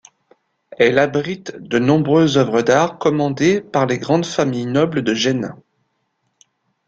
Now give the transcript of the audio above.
Elle abrite de nombreuses œuvres d'art commandées par les grandes familles nobles de Gênes.